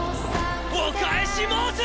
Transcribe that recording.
お返し申す！